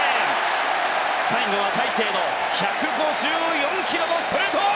最後は大勢の１５４キロのストレート！